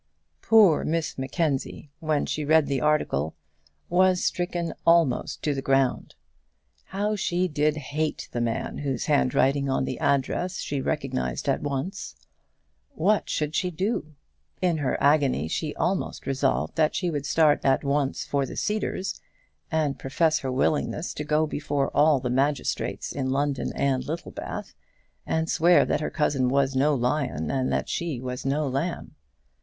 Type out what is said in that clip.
Poor Miss Mackenzie, when she read the article, was stricken almost to the ground. How she did hate the man whose handwriting on the address she recognised at once! What should she do? In her agony she almost resolved that she would start at once for the Cedars and profess her willingness to go before all the magistrates in London and Littlebath, and swear that her cousin was no lion and that she was no lamb.